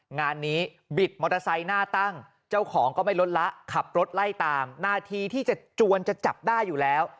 งานนี้บิดมอเตอร์ไซค์หน้าตั้งเจ้าของก็ไม่ลดละขับรถไล่ตามนาทีที่จะจวนจะจับได้อยู่แล้ว